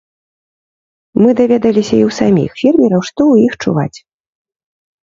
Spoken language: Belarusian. Мы даведаліся і ў саміх фермераў, што ў іх чуваць.